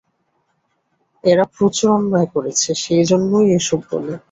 এরা প্রচুর অন্যায় করেছে, সেই জন্যেই এ-সব বলে।